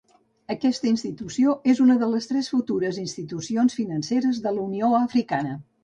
Aquesta institució és una de les tres futures institucions financeres de la Unió Africana.